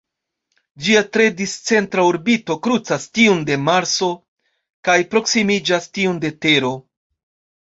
Ĝia tre discentra orbito krucas tiun de Marso, kaj proksimiĝas tiun de Tero.